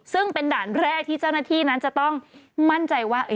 ซึ่งเป็นด่านแรกที่เจ้าหน้าที่นั้นจะต้องมั่นใจว่า